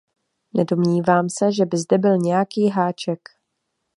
Nedomnívám se, že by zde byl nějaký háček.